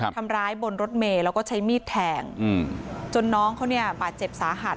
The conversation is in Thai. ทำร้ายบนรถเมย์แล้วก็ใช้มีดแทงจนน้องเขาเนี่ยบาดเจ็บสาหัส